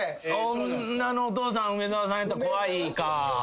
女のお父さん梅沢さんやったら怖いか。